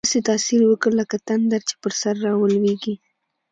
داسې تاثیر یې وکړ، لکه تندر چې پر سر راولوېږي.